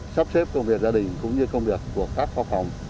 sắp xếp công việc gia đình cũng như công việc của các khoa phòng